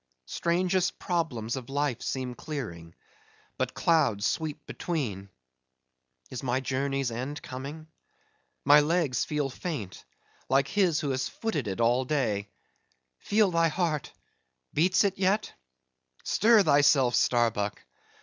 Strangest problems of life seem clearing; but clouds sweep between—Is my journey's end coming? My legs feel faint; like his who has footed it all day. Feel thy heart,—beats it yet? Stir thyself, Starbuck!